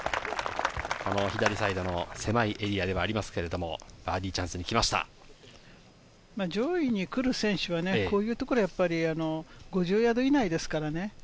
左サイドの狭いエリアではありますけれど、バーディーチャンスに上位に来る選手はこういうところ、やっぱり５０ヤード以内ですからね。